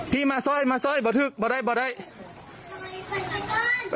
พี่จะสู้